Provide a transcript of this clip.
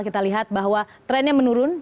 kita lihat bahwa trennya menurun